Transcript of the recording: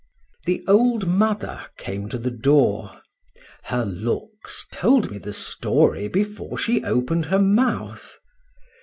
The old mother came to the door; her looks told me the story before she open'd her mouth.